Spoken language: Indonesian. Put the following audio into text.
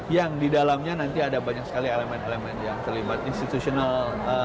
yang didalamnya nanti ada banyak sekali elemen elemen yang terlibat institusionalnya